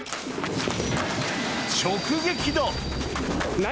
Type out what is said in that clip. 直撃だ！